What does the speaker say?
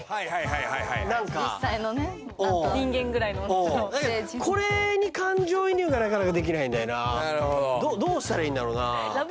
人間ぐらいの大きさのうんだけどこれに感情移入がなかなかできないんだよなどうしたらいいんだろうな？